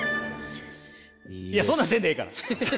いやそんなんせんでええから！